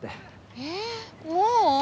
えっもう？